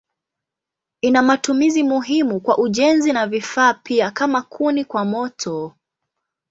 Ina matumizi muhimu kwa ujenzi na vifaa pia kama kuni kwa moto.